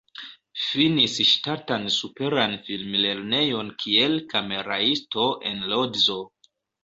Finis Ŝtatan Superan Film-Lernejon kiel kameraisto en Lodzo.